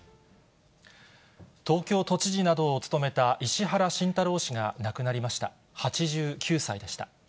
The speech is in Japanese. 東京都知事などを務めた石原慎太郎氏が亡くなりました。